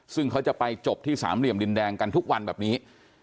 ซึ่งเขาจะไปจบที่สามเหลี่ยมดินแดงกันทุกวันแบบนี้